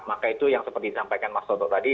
maka itu yang seperti disampaikan mas toto tadi